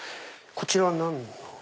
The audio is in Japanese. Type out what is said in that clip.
こちらは何？